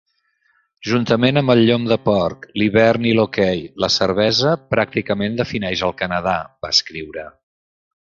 "Juntament amb el llom de porc, l'hivern i l'hoquei, la cervesa pràcticament defineix el Canadà", va escriure.